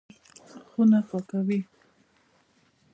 خونه پاکوي.